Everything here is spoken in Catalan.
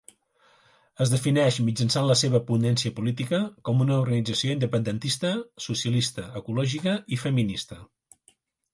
Es defineix, mitjançant la seva ponència política, com una organització independentista, socialista, ecologista i feminista.